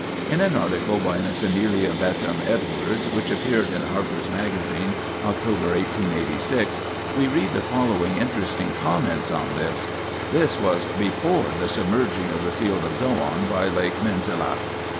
2 In an article by Miss Amelia Betham Edwards, which appeared in Harper's Maga zine, October 1886, we read the following interesting comments on this :" This was before the submerging of the ' field of Zoan ' by lake Menzaleh.